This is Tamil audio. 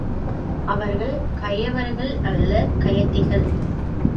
அவர்கள் கயவர்களல்லர் கயத்திகள்.